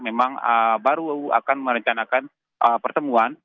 memang baru akan merencanakan pertemuan